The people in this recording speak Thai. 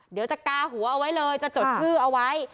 เดี๋ยวจะกาหัวเอาไว้เลยจะจดชื่อเอาไว้